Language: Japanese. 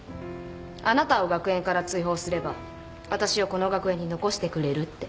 あなたを学園から追放すればわたしをこの学園に残してくれるって。